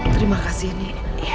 terima kasih nini